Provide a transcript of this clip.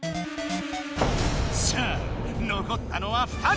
さあのこったのは２人。